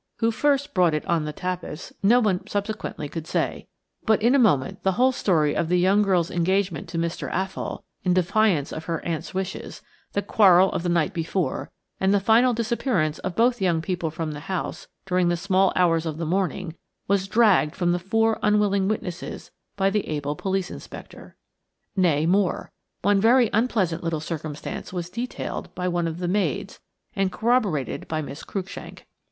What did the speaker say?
Who first brought it on the tapis no one subsequently could say; but in a moment the whole story of the young girl's engagement to Mr. Athol, in defiance of her aunt's wishes, the quarrel of the night before, and the final disappearance of both young people from the house during the small hours of the morning, was dragged from the four unwilling witnesses by the able police inspector. Nay, more. One very unpleasant little circumstance was detailed by one of the maids and corroborated by Miss Cruikshank.